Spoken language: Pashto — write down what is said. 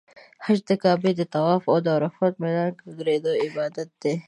حج د کعبې طواف او د عرفات میدان کې د ودریدو عبادت دی.